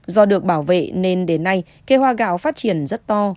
do được bảo vệ nên đến nay cây hoa gạo phát triển rất to